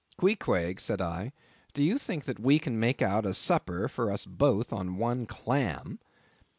"Queequeg," said I, "do you think that we can make out a supper for us both on one clam?"